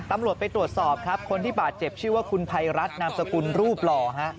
ตำรวจไปตรวจสอบครับคนที่บาดเจ็บชื่อว่าคุณภัยรัฐนามสกุลรูปหล่อฮะ